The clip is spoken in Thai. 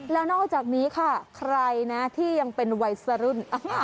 แล้วนอกจากนี้ค่ะใครนะที่ยังเป็นวัยสรุ่น